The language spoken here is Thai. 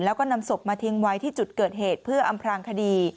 แล้วก็นำศพมาทิ้งไว้ที่จุดเกิดเหตุเพื่ออำพลางคดี